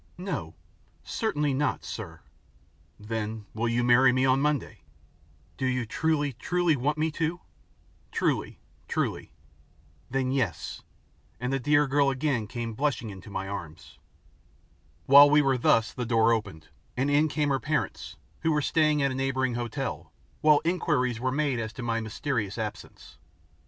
"No, certainly not, sir." "Then will you marry me on Monday?" "Do you truly, truly want me to?" "Truly, truly." "Then, yes," and the dear girl again came blushing into my arms. While we were thus the door opened, and in came her parents who were staying at a neighbouring hotel while inquiries were made as to my mysterious absence.